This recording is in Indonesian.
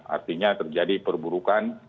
artinya terjadi perburukan